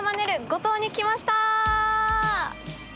五島に来ました！